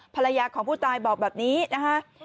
ภรรยาของผู้ตายบอกแบบนี้นะคะ